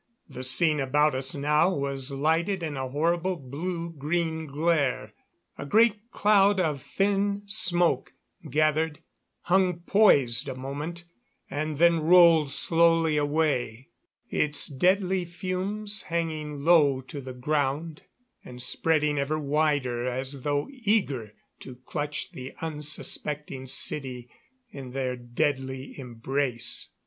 The scene about us now was lighted in a horrible blue green glare. A great cloud of thin smoke gathered, hung poised a moment, and then rolled slowly away its deadly fumes hanging low to the ground and spreading ever wider as though eager to clutch the unsuspecting city in their deadly embrace.